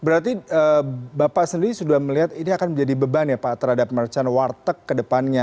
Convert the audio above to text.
berarti bapak sendiri sudah melihat ini akan menjadi beban ya pak terhadap mercan warteg ke depannya